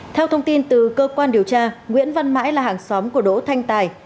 theo thông tin từ cơ quan điều tra nguyễn văn mãi là hàng xóm của đỗ thanh tài